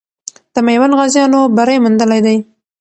د میوند غازیانو بری موندلی دی.